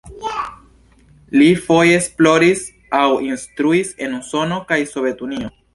Li foje esploris aŭ instruis en Usono kaj Sovetunio.